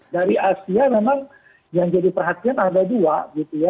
dari asia memang yang jadi perhatian ada dua gitu ya